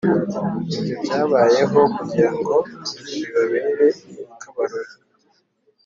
Ibyo byabayeho kugira ngo bibabere akabarore